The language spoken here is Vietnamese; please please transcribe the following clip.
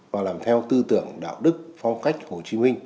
và làm theo tư tưởng đạo đức phong cách hồ chí minh